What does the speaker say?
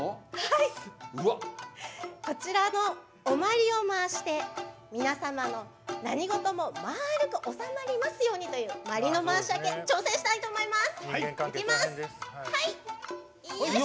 こちらのおまりを回して何事も丸くおさまりますようにというまりの回し分け挑戦したいと思います。